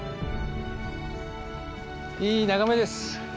いい眺めです。